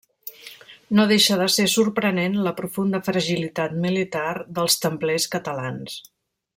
No deixa de ser sorprenent la profunda fragilitat militar dels templers catalans.